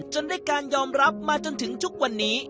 จนได้การยอมรับมาจนถึงทุกวันนี้